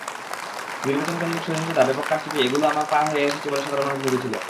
নির্বাচনকেন্দ্রিক সহিংসতা, ব্যাপক কারচুপি—এগুলো আমরা পার হয়ে এসেছি বলে সাধারণ মানুষ ভেবেছিল।